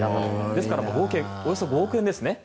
ですから合計およそ５億円ですね